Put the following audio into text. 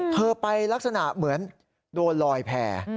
เธอไปลักษณะเหมือนโดนลอยแผ่